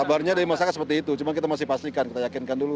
kabarnya dari masyarakat seperti itu cuma kita masih pastikan kita yakinkan dulu